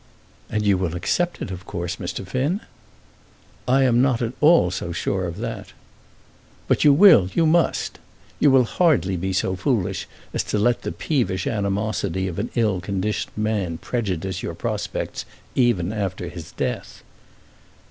"And you will accept it of course, Mr. Finn?" "I am not at all so sure of that." "But you will. You must. You will hardly be so foolish as to let the peevish animosity of an ill conditioned man prejudice your prospects even after his death."